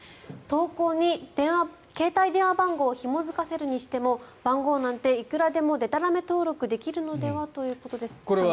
投稿に携帯電話番号をひも付かせるにしても番号なんていくらでもでたらめ登録できるのでは？ということですが。